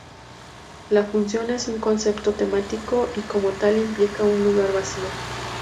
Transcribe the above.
La función es un concepto matemático y como tal implica un lugar vacío.